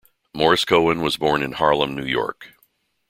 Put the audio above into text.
Morris Cohen was born in Harlem, New York.